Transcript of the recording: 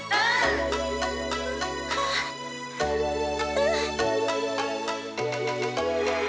うん。